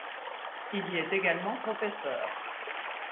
Il y est également professeur.